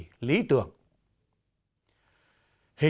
hình ảnh nguyễn quang trường ghi lại